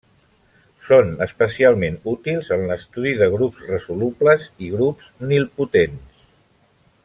Són especialment útils en l'estudi de grups resolubles i grups nilpotents.